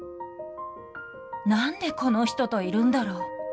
なんでこの人といるんだろう。